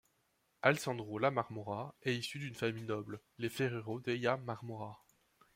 Alessandro La Marmora est issu d’une famille noble, les Ferrero della Marmora.